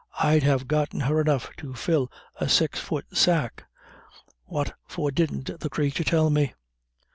I'd have got her enough to fill a six fut sack. What for didn't the crathur tell me?"